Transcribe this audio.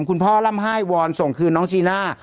คุณพ่อร่ำไห้วอนส่งคืนน้องจีน่า